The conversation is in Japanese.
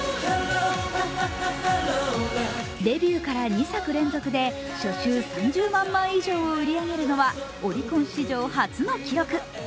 デビューから２作連続で初週３０万以上を売り上げるのはオリコン史上初の記録。